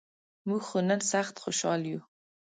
مونږ خو نن سخت خوشال یوو.